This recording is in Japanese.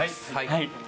はい。